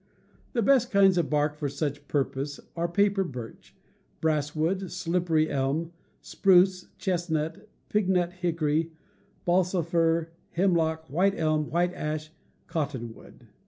The best kinds of bark for such purpose are paper birch, basswood, slippery elm, spruce, chestnut, pignut hickory, balsam fir, hemlock, white elm, white ash, cotton wood.